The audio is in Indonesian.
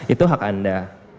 itu hak anda